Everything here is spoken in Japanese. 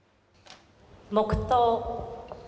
黙とう。